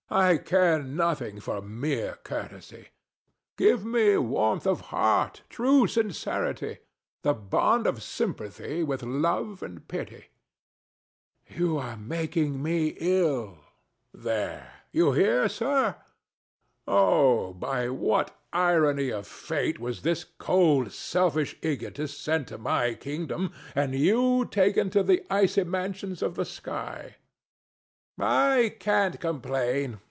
I care nothing for mere courtesy. Give me warmth of heart, true sincerity, the bond of sympathy with love and joy DON JUAN. You are making me ill. THE DEVIL. There! [Appealing to the statue] You hear, sir! Oh, by what irony of fate was this cold selfish egotist sent to my kingdom, and you taken to the icy mansions of the sky! THE STATUE. I can't complain.